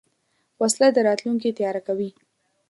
وسله د راتلونکي تیاره کوي